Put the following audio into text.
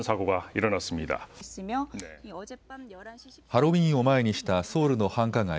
ハロウィーンを前にしたソウルの繁華街